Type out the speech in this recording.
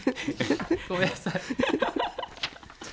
ごめんなさい。